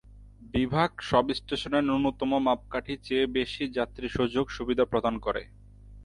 বিভাগ সব স্টেশনে ন্যূনতম মাপকাঠি চেয়ে বেশি যাত্রী সুযোগ-সুবিধা প্রদান করে।